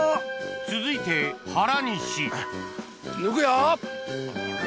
続いて原西抜くよ！